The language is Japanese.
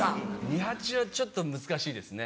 二八はちょっと難しいですね。